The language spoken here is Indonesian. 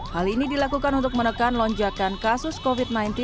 hal ini dilakukan untuk menekan lonjakan kasus covid sembilan belas